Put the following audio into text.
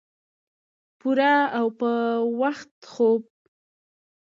پوره او پۀ وخت خوب